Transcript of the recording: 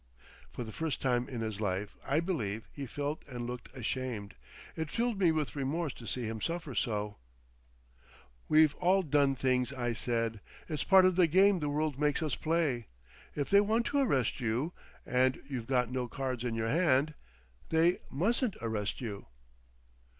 For the first time in his life, I believe, he felt and looked ashamed. It filled me with remorse to see him suffer so. "We've all done things," I said. "It's part of the game the world makes us play. If they want to arrest you—and you've got no cards in your hand—! They mustn't arrest you."